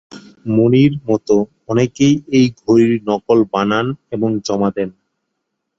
মনির মতো, অনেকেই এই ঘড়ির নকল বানান এবং জমা দেন।